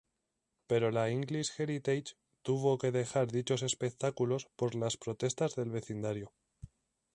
Pero la "English Heritage" tuvo que dejar dichos espectáculos por las protestas del vecindario.